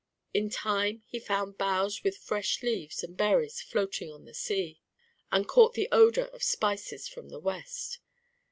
In time he found boughs with fresh leaves and berries floating on the sea, and caught the odor of spices from the west.